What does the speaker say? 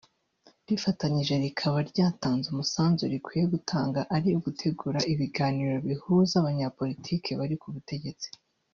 rifatanyije rikaba ryatanze umusanzu rikwiye gutanga ari ugutegura ibiganiro bihuza abanyapolitiki bari ku butegetsi